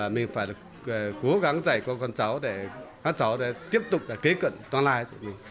mình phải là cố gắng dạy cho con cháu để các cháu tiếp tục kế cận toàn lai